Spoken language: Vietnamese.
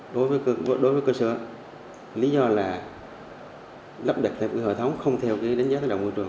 đối với cơ sở lý do là lắp đặt thêm hệ thống không theo đánh giá tác động môi trường